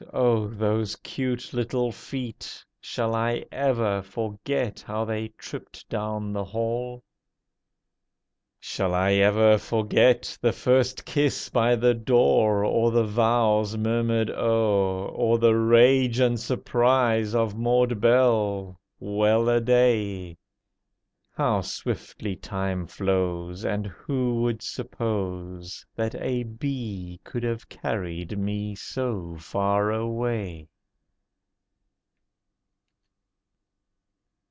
Oh, those cute little feet! Shall I ever forget how they tripped down the hall? Shall I ever forget the first kiss by the door, Or the vows murmured o'er, Or the rage and surprise of Maud Belle? Well a day, How swiftly time flows, And who would suppose That a bee could have carried me so far away.